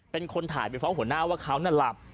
เป็นคนถ่ายไปฟ้องหัวหน้าว่าเขาน่ะหลับ